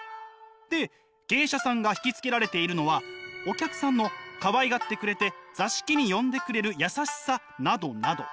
で芸者さんが惹きつけられているのはお客さんのかわいがってくれて座敷に呼んでくれる優しさなどなど。